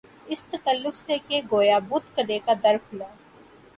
اس تکلف سے کہ گویا بت کدے کا در کھلا